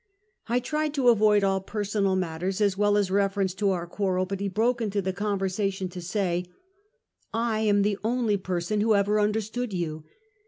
I tried to avoid all personal mat ters, as well as reference to our quarrel, but he broke into the conversation to say: " I am the only person who ever understood you.